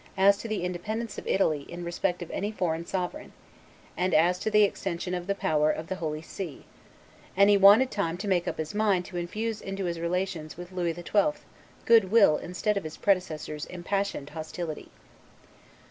as to the independence of Italy in respect of any foreign sovereign, and as to the extension of the power of the Holy See; and he wanted time to make up his mind to infuse into his relations with Louis XII. good will instead of his predecessor's impassioned hostility.